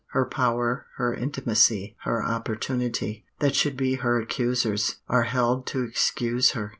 Her power, her intimacy, her opportunity, that should be her accusers, are held to excuse her.